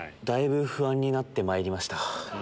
だいぶ不安になってまいりました。